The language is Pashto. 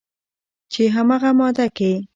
چې همغه ماده کې